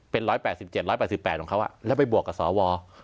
เป็น๑๘๗๑๘๘ของเขาแล้วไปบวกกับสว